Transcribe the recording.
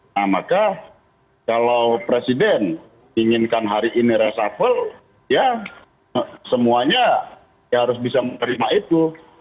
nah maka kalau presiden inginkan hari ini reshuffle ya semuanya ya harus bisa menerima itu